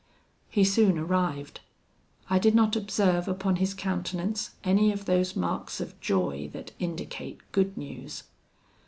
"He soon arrived: I did not observe upon his countenance any of those marks of joy that indicate good news.